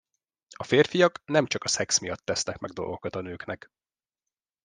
A férfiak nem csak a szex miatt tesznek meg dolgokat a nőknek.